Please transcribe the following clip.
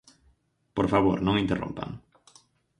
Por favor, non interrompan.